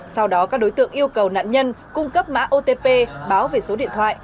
sau đó các đối tượng yêu cầu nạn nhân cung cấp mã otp báo về số điện thoại